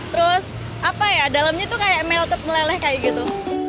terus apa ya dalamnya itu meletup meleleh kayak gitu